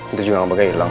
itu juga gak bakal hilang